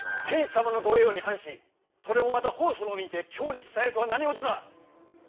天子様のご叡慮に反しそれをまた奉書のみにて京に伝えるとは何事か！